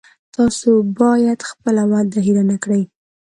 تاسو باید خپله وعده هیره نه کړی